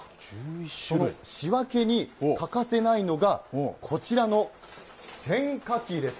その仕分けに欠かせないのが、こちらの選果機です。